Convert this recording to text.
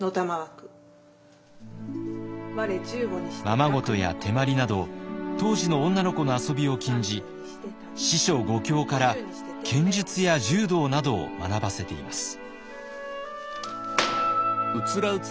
ままごとや手まりなど当時の女の子の遊びを禁じ四書五経から剣術や柔道などを学ばせています。